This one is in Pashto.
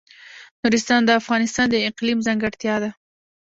نورستان د افغانستان د اقلیم ځانګړتیا ده.